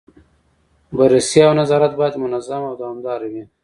بررسي او نظارت باید منظم او دوامداره وي.